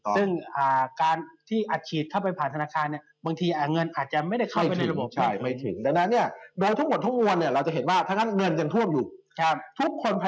ซึ่งการที่อัดฉีดเข้าไปผ่านธนาคารเนี่ยบางทีเงินอาจจะไม่ได้เข้าไปในระบบ